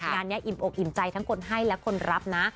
งานนี้อิ่มอกอิ่มใจทั้งคนให้และคนรับนะ